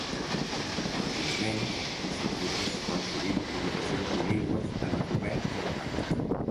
Nogensmenys, els seus llibres són sovint publicacions bilingües en eslovè i alemany.